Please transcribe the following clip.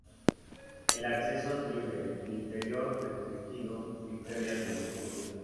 El acceso es libre, el interior restringido y previa solicitud.